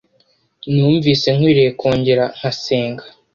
numvise nkwiriye kongera nkasenga